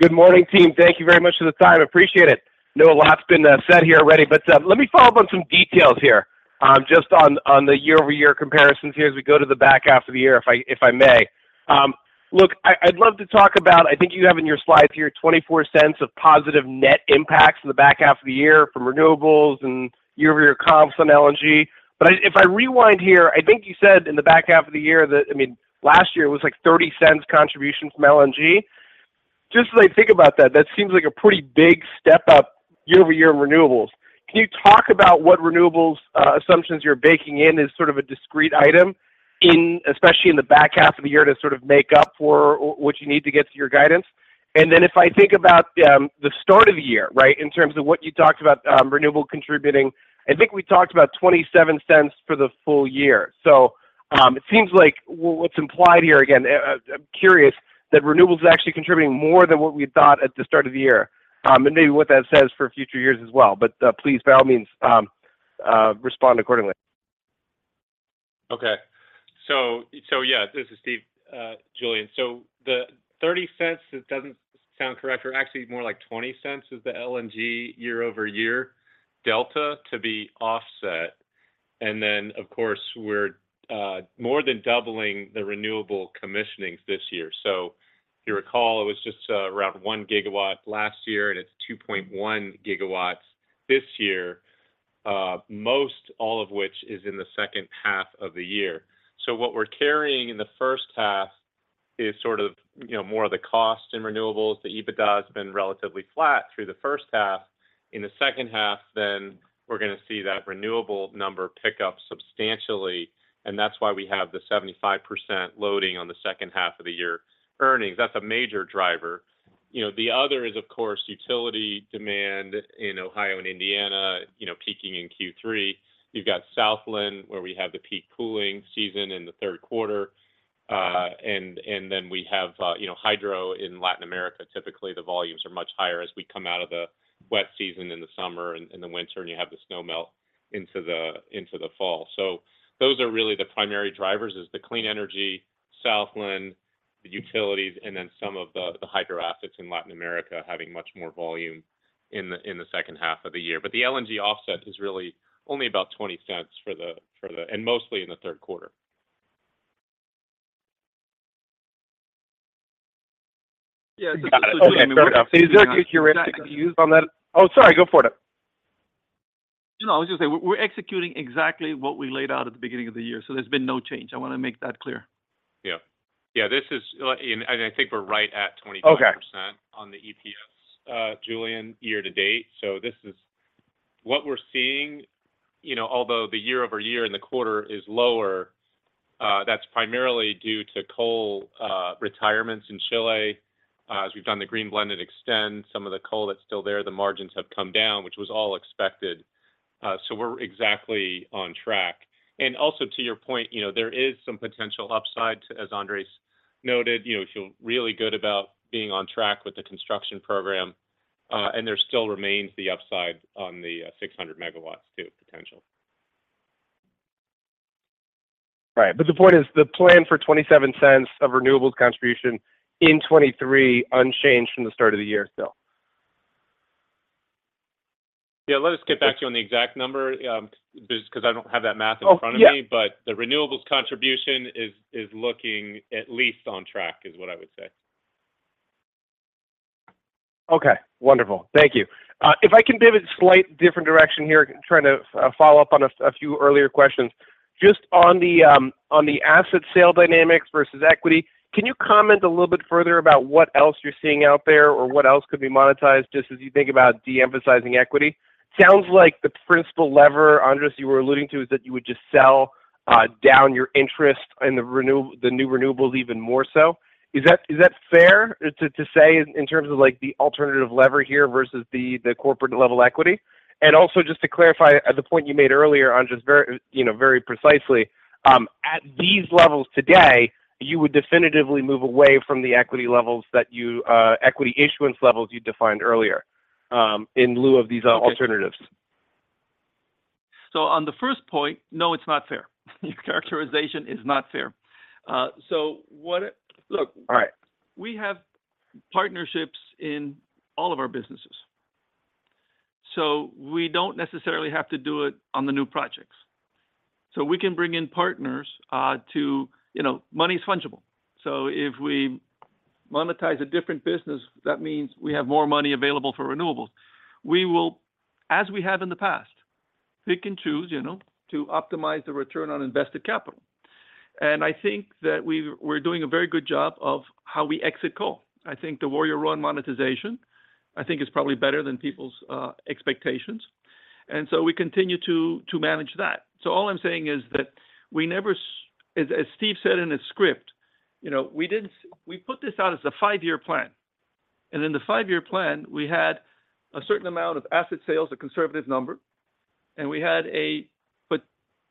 good morning, team. Thank you very much for the time. Appreciate it. I know a lot's been said here already, but let me follow up on some details here. Just on, on the year-over-year comparisons here as we go to the back half of the year, if I, if I may. Look, I, I'd love to talk about-- I think you have in your slides here $0.24 of positive net impacts in the back half of the year from renewables and year-over-year comps from LNG. If I, if I rewind here, I think you said in the back half of the year that, I mean, last year was like $0.30 contribution from LNG. Just as I think about that, that seems like a pretty big step up year-over-year in renewables. Can you talk about what renewables assumptions you're baking in as sort of a discrete item in, especially in the back half of the year, to sort of make up for what you need to get to your guidance? If I think about the start of the year, right, in terms of what you talked about, renewable contributing, I think we talked about $0.27 for the full year. It seems like what's implied here, again, I'm curious, that renewables are actually contributing more than what we thought at the start of the year, and maybe what that says for future years as well. Please, by all means, respond accordingly. Okay. So yeah, this is Steve, Julien. The $0.30, that doesn't sound correct, or actually more like $0.20 is the LNG year-over-year delta to be offset. Then, of course, we're more than doubling the renewable commissionings this year. If you recall, it was just around 1 gigawatt last year, and it's 2.1 gigawatts this year, most all of which is in the second half of the year. What we're carrying in the first half is sort of, you know, more of the cost in renewables. The EBITDA has been relatively flat through the first half. In the second half, then we're going to see that renewable number pick up substantially, that's why we have the 75% loading on the second half of the year earnings. That's a major driver. You know, the other is, of course, utility demand in Ohio and Indiana, you know, peaking in Q3. You've got Southland, where we have the peak cooling season in the third quarter. Then we have, you know, hydro in Latin America. Typically, the volumes are much higher as we come out of the wet season in the summer and in the winter, and you have the snow melt into the, into the fall. Those are really the primary drivers is the clean energy, Southland, the utilities and then some of the, the hydro assets in Latin America having much more volume in the, in the second half of the year. The LNG offset is really only about $0.20 for the and mostly in the third quarter. Yeah. Got it. Okay, fair enough. Is there a heuristic view on that? Oh, sorry, go for it. No, I was just saying, we're executing exactly what we laid out at the beginning of the year. There's been no change. I want to make that clear. Yeah. Yeah, this is, and, and I think we're right at 22%- Okay... on the EPS, Julien, yearpdate. What we're seeing, you know, although the year-over-year and the quarter is lower, that's primarily due to coal retirements in Chile. As we've done the green blend and extend, some of the coal that's still there, the margins have come down, which was all expected. We're exactly on track. Also, to your point, you know, there is some potential upside, as Andrés noted. You know, feel really good about being on track with the construction program, and there still remains the upside on the 600 megawatts too, potential. Right. The point is, the plan for $0.27 of renewables contribution in 2023, unchanged from the start of the year still? Yeah, let us get back to you on the exact number, because, because I don't have that math in front of me. Oh, yeah. The renewables contribution is looking at least on track, is what I would say. Okay. Wonderful. Thank you. If I can pivot a slight different direction here, trying to follow up on a few earlier questions. Just on the on the asset sale dynamics versus equity, can you comment a little bit further about what else you're seeing out there or what else could be monetized, just as you think about de-emphasizing equity? Sounds like the principal lever, Andrés, you were alluding to, is that you would just sell down your interest in the new renewables even more so. Is that, is that fair to say in terms of, like, the alternative lever here versus the, the corporate level equity? Also, just to clarify the point you made earlier, Andrés, very, you know, very precisely, at these levels today, you would definitively move away from the equity levels that equity issuance levels you defined earlier, in lieu of these alternatives? On the first point, no, it's not fair. Your characterization is not fair. All right.... we have partnerships in all of our businesses, so we don't necessarily have to do it on the new projects. We can bring in partners. You know, money is fungible, so if we monetize a different business, that means we have more money available for renewables. We will, as we have in the past, pick and choose, you know, to optimize the return on invested capital. I think that we're doing a very good job of how we exit coal. I think the Warrior Run monetization, I think, is probably better than people's expectations, and so we continue to manage that. All I'm saying is that we never as, as Steve said in his script, you know, we put this out as a 5-year plan. In the five-year plan, we had a certain amount of asset sales, a conservative number, and we had a, but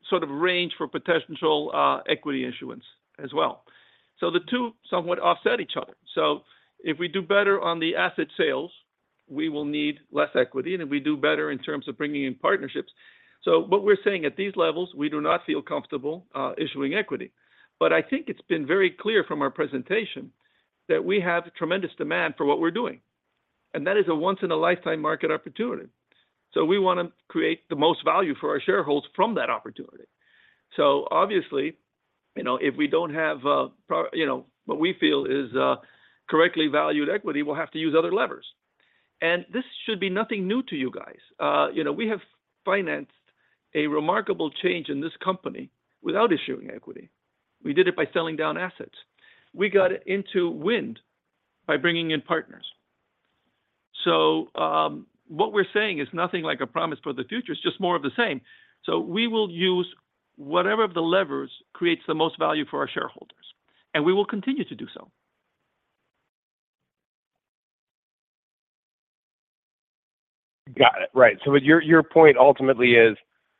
sort of range for potential equity issuance as well. The two somewhat offset each other. If we do better on the asset sales, we will need less equity, and if we do better in terms of bringing in partnerships. What we're saying, at these levels, we do not feel comfortable issuing equity. I think it's been very clear from our presentation that we have tremendous demand for what we're doing, and that is a once-in-a-lifetime market opportunity. We want to create the most value for our shareholders from that opportunity. Obviously, you know, if we don't have a pro-, you know, what we feel is a correctly valued equity, we'll have to use other levers. This should be nothing new to you guys. You know, we have financed a remarkable change in this company without issuing equity. We did it by selling down assets. We got into wind by bringing in partners. What we're saying is nothing like a promise for the future, it's just more of the same. We will use whatever the levers creates the most value for our shareholders, and we will continue to do so.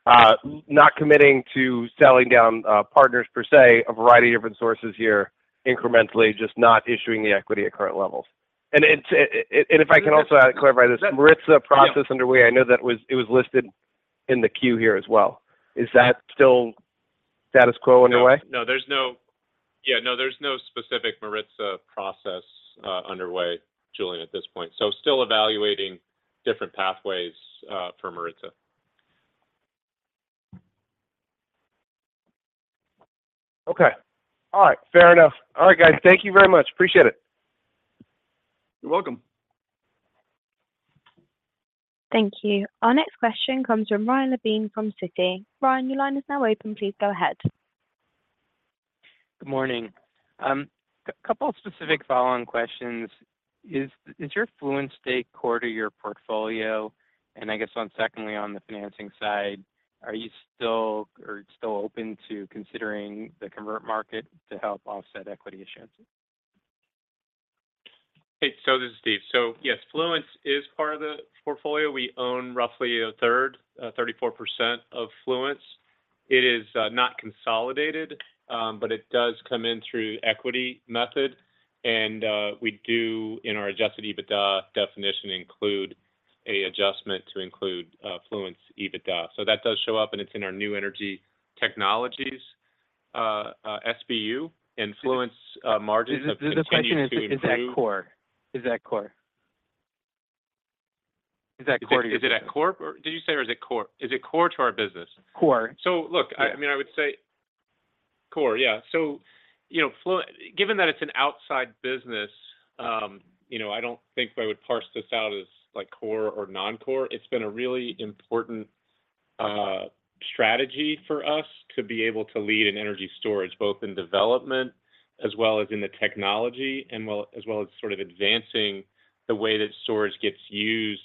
Got it. Right. Your, your point ultimately is... Yes not committing to selling down, partners per se, a variety of different sources here, incrementally, just not issuing the equity at current levels. If I can also add, clarify this, Maritsa process underway, I know it was listed in the queue here as well. Is that still status quo in a way? No, there's no specific Maritsa process underway, Julien, at this point. Still evaluating different pathways for Maritsa. Okay. All right. Fair enough. All right, guys. Thank you very much. Appreciate it. You're welcome. Thank you. Our next question comes from Ryan Levine from Citi. Ryan, your line is now open. Please go ahead. Good morning. A couple of specific follow-on questions. Is your Fluence stake core to your portfolio? I guess on secondly, on the financing side, are you still open to considering the convert market to help offset equity issuance? Hey, this is Steve. Yes, Fluence is part of the portfolio. We own roughly a third, 34% of Fluence. It is not consolidated, but it does come in through equity method, and we do in our Adjusted EBITDA definition, include a adjustment to include Fluence EBITDA. That does show up, and it's in our new energy technologies SBU and Fluence margin have continued to improve. The, the, the question is, is that core? Is that core? Is that core to your- Is it at core? did you say, or is it Is it core to our business? Core. Look, I, I mean, I would say core, yeah. You know, given that it's an outside business, you know, I don't think if I would parse this out as like core or non-core. It's been a really important strategy for us to be able to lead in energy storage, both in development as well as in the technology, and as well as sort of advancing the way that storage gets used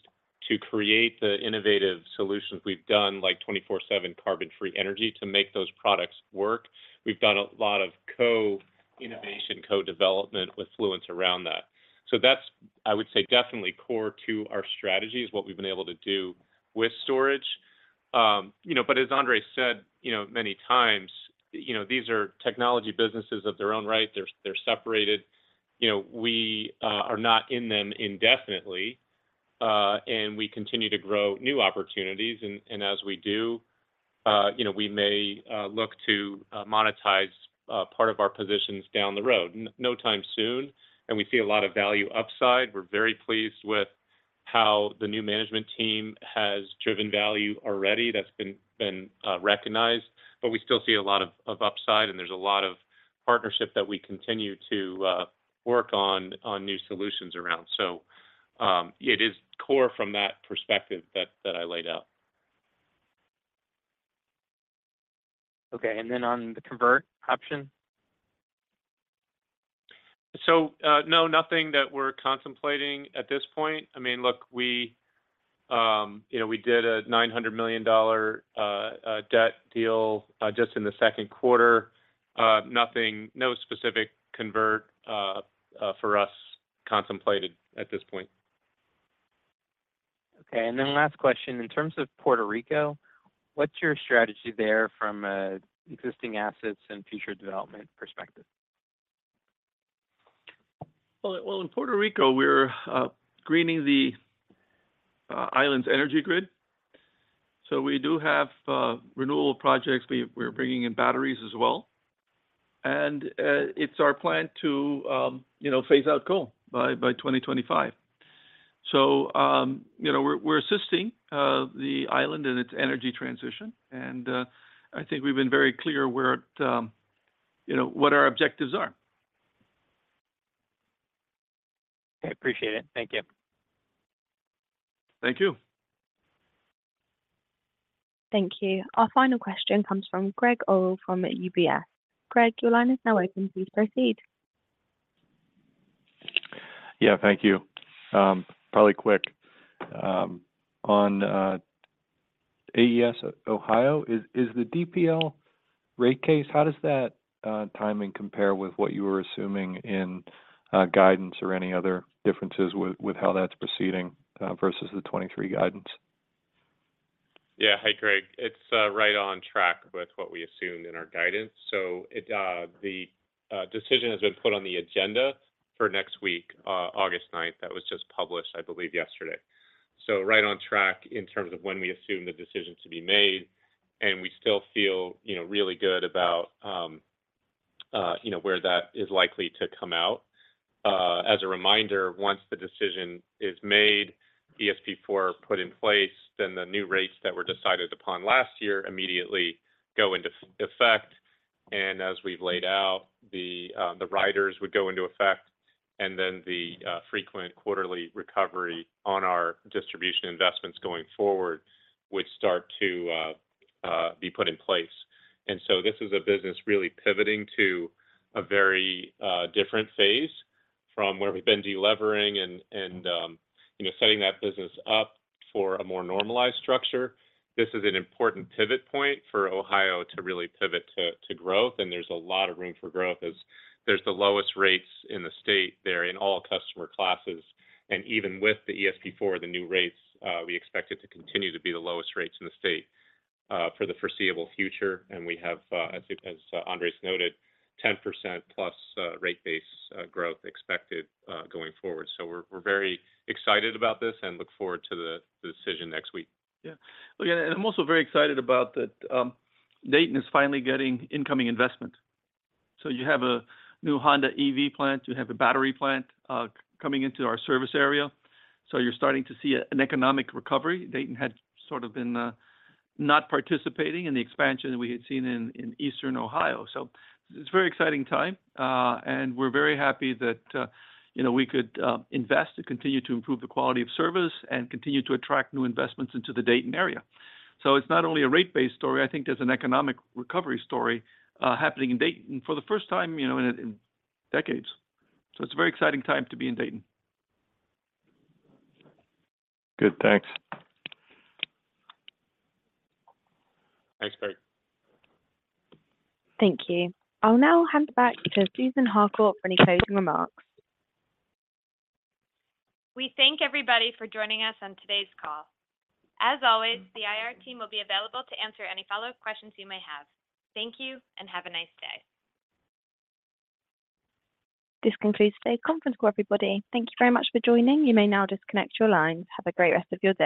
to create the innovative solutions we've done, like 24/7 carbon-free energy, to make those products work. We've done a lot of co-innovation, co-development with Fluence around that. That's, I would say, definitely core to our strategy, is what we've been able to do with storage. You know, as Andrés said, you know, many times, you know, these are technology businesses of their own right. They're, they're separated. You know, we are not in them indefinitely, and we continue to grow new opportunities. As we do, you know, we may look to monetize part of our positions down the road. No time soon, and we see a lot of value upside. We're very pleased with how the new management team has driven value already. That's been recognized. We still see a lot of upside, and there's a lot of partnership that we continue to work on, on new solutions around. It is core from that perspective that I laid out. Okay, then on the convert option? No, nothing that we're contemplating at this point. I mean, look, we, you know, we did a $900 million debt deal just in the second quarter. Nothing, no specific convert for us contemplated at this point. Okay, last question: in terms of Puerto Rico, what's your strategy there from a existing assets and future development perspective? In Puerto Rico, we're greening the island's energy grid. We do have renewable projects. We, we're bringing in batteries as well. It's our plan to, you know, phase out coal by 2025. You know, we're, we're assisting the island in its energy transition, and I think we've been very clear where it, you know, what our objectives are. I appreciate it. Thank you. Thank you. Thank you. Our final question comes from Gregg Orrill from UBS. Greg, your line is now open. Please proceed. Yeah, thank you. probably quick. on, AES Ohio, is, is the DPL rate case, how does that timing compare with what you were assuming in guidance or any other differences with, with how that's proceeding, versus the 2023 guidance? Yeah. Hi, Gregg. It's right on track with what we assumed in our guidance. It, the decision has been put on the agenda for next week, August 9th. That was just published, I believe, yesterday. Right on track in terms of when we assume the decision to be made, and we still feel, you know, really good about, you know, where that is likely to come out. As a reminder, once the decision is made, ESP 4 put in place, then the new rates that were decided upon last year immediately go into effect. As we've laid out, the riders would go into effect, and then the frequent quarterly recovery on our distribution investments going forward would start to be put in place. This is a business really pivoting to a very different phase from where we've been delevering and, you know, setting that business up for a more normalized structure. This is an important pivot point for Ohio to really pivot to, to growth, and there's a lot of room for growth as there's the lowest rates in the state there in all customer classes. Even with the ESP 4, the new rates, we expect it to continue to be the lowest rates in the state for the foreseeable future. We have, as Andrés noted, 10% plus rate base growth expected going forward. We're very excited about this and look forward to the decision next week. Yeah. Well, yeah, I'm also very excited about that. Dayton is finally getting incoming investment. You have a new Honda EV plant, you have a battery plant, coming into our service area. You're starting to see an economic recovery. Dayton had sort of been, not participating in the expansion that we had seen in, in Eastern Ohio. It's a very exciting time, and we're very happy that, you know, we could, invest and continue to improve the quality of service and continue to attract new investments into the Dayton area. It's not only a rate-based story, I think there's an economic recovery story, happening in Dayton for the first time, you know, in, in decades. It's a very exciting time to be in Dayton. Good. Thanks. Thanks, Gregg. Thank you. I'll now hand it back to Susan Harcourt for any closing remarks. We thank everybody for joining us on today's call. As always, the IR team will be available to answer any follow-up questions you may have. Thank you, and have a nice day. This concludes today's conference call, everybody. Thank you very much for joining. You may now disconnect your lines. Have a great rest of your day.